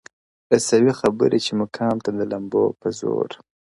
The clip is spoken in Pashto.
رسوي خبري چي مقام ته د لمبو په زور,